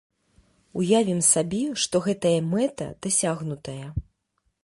Уявім сабе, што гэтая мэта дасягнутая.